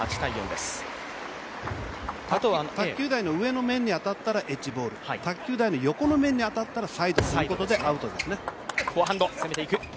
あと、卓球台の上の面に当たったらエッジボール卓球台の横の面に当たったらサイドということでアウトですね。